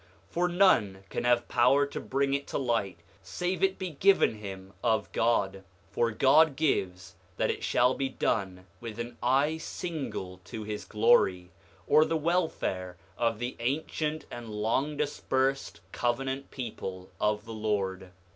8:15 For none can have power to bring it to light save it be given him of God; for God wills that it shall be done with an eye single to his glory, or the welfare of the ancient and long dispersed covenant people of the Lord.